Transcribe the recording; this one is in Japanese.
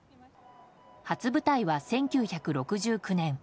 初舞台は１９６９年。